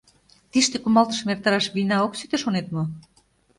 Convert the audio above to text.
Тиште кумалтышым эртараш вийна ок сите, шонет мо?